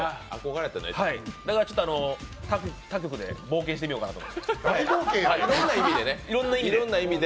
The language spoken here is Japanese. だからちょっと他局で冒険してみようかなと。